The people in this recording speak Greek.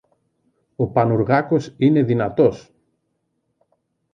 Ο Πανουργάκος είναι δυνατός!